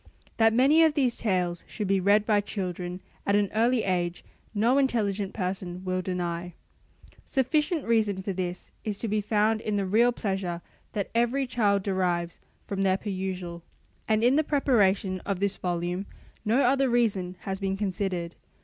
That many of these tales should be read by children at an early age no intelligent person will deny. Sufficient reason for this is to be found in the real pleasure that every child derives from their perusal: and in the preparation of this volume no other reason has been considered.